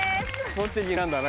栃木なんだな